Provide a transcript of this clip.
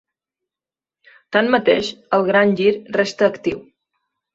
Tanmateix, el Gran Gir resta actiu.